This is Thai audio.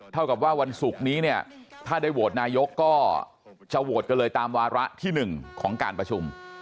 เท่ากับว่าวันศุกร์นี้เนี่ยถ้าได้โหวตนายกก็จะโหวตกันเลยตามวาระที่๑ของการประชุม